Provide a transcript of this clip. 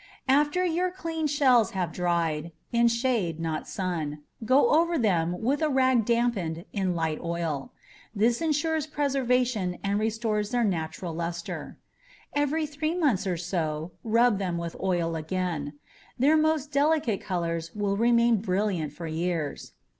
After your clean shells have dried (in shade, not sun), go over them with a rag dampened in light oil. This insures preservation and restores their natural luster. Every three months or so, rub them with oil again their most delicate colors will remain brilliant for years.